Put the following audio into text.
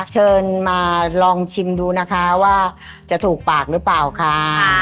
เชิญมาลองชิมดูนะคะว่าจะถูกปากหรือเปล่าค่ะ